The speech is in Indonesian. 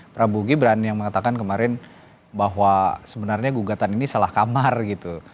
prabu gibran yang mengatakan kemarin bahwa sebenarnya gugatan ini salah kamar gitu